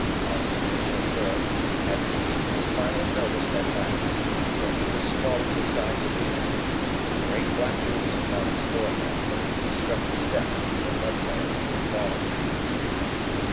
Austin, the chauffeur, had received his final notice at last, for he was sprawling beside the wheel, with a great black bruise upon his forehead where it had struck the step or mud guard in falling.